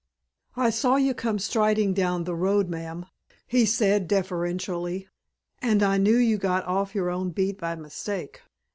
"I saw you come striding down the road, ma'am," he said deferentially, "and I knew you got off your own beat by mistake.